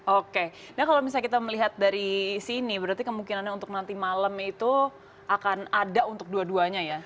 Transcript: oke nah kalau misalnya kita melihat dari sini berarti kemungkinannya untuk nanti malam itu akan ada untuk dua duanya ya